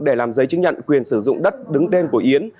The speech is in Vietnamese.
để làm giấy chứng nhận quyền sử dụng đất đứng tên của yến